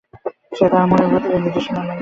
সে তাহার মনের প্রবল নির্দেশ মানিয়া চলিতে বাধ্য হয়।